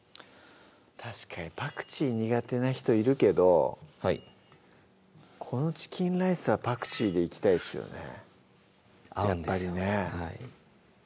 確かにパクチー苦手な人いるけどこのチキンライスはパクチーでいきたいですよね